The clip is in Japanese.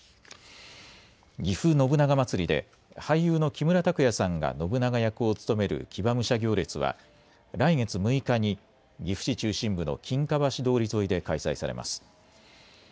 ぎふ信長まつりで俳優の木村拓哉さんが信長役を務める騎馬武者行列は来月６日に岐阜市中心部の金華橋通り沿いで開催されます。